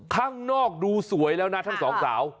ข้างนอกดูสวยแล้วนะทั้งสองสาว